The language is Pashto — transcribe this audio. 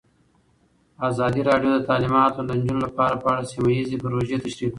ازادي راډیو د تعلیمات د نجونو لپاره په اړه سیمه ییزې پروژې تشریح کړې.